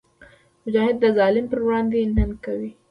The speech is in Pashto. مجاهد د ظالم پر وړاندې ننګ کوي.